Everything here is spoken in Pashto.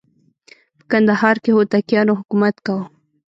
په کندهار کې هوتکیانو حکومت کاوه.